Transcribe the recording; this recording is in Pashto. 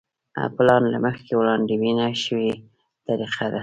پلان له مخکې وړاندوينه شوې طریقه ده.